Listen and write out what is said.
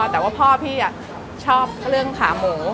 แต่ว่าพ่อพี่ชอบเรื่องขาหมู